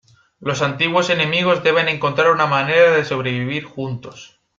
Los antiguos enemigos deben encontrar una manera de sobrevivir juntos.